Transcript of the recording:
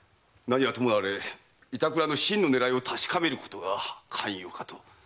何はともあれ板倉の真の狙いを確かめることが肝要かと。